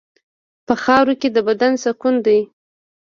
په خاوره کې د بدن سکون دی.